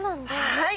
はい。